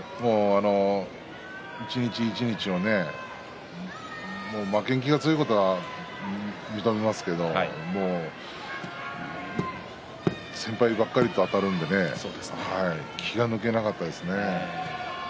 一日一日を負けん気が強いことは認めますけど先輩ばかりとあたるのでね気が抜けなかったですね。